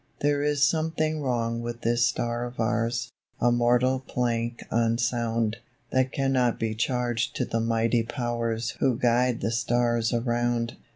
There is something wrong with this star of ours, A mortal plank unsound, That cannot be charged to the mighty powers Who guide the stars around.